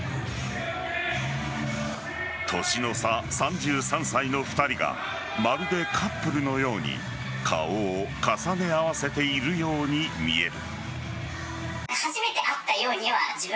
年の差３３歳の２人がまるでカップルのように顔を重ね合わせているように見える。